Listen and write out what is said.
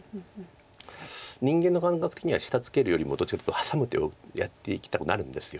人間の感覚的には下ツケるよりもどっちかというとハサむ手をやっていきたくなるんです。